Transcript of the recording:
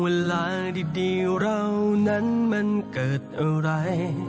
เวลาดีเรานั้นมันเกิดอะไร